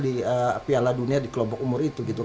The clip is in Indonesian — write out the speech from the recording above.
di piala dunia di kelompok umur itu gitu